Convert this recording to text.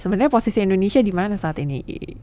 sebenarnya posisi indonesia dimana saat ini